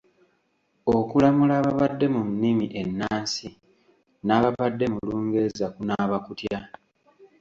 Okulamula ababadde mu nnimi ennansi n’ababadde mu Lungereza kunaaba kutya?